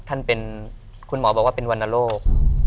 ท่านเป็นคุณหมอบอกว่าเป็นวรรณโรค